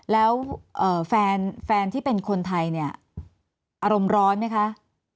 แล้วแฟนที่เป็นคนไทยเนี่ยอารมณ์ร้อนไหมคะ